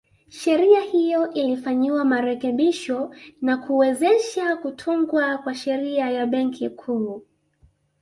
Sheria hiyo ilifanyiwa marekebisho na kuwezesha kutungwa kwa Sheria ya Benki Kuu